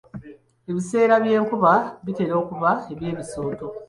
Ebiseera by'enkuba bitera okuba eby'ebisooto.